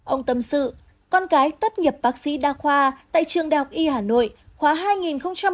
ông tâm sự con gái tất nghiệp bác sĩ đa khoa tại trường đại học y hà nội khoa hai nghìn một mươi ba hai nghìn một mươi chín